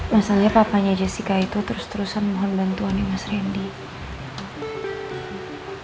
masalahnya papanya jessica itu terus terusan mohon bantuannya mas randy